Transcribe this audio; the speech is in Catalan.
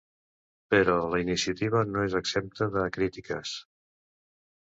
Però la iniciativa no és exempta de crítiques.